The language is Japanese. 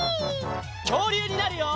きょうりゅうになるよ！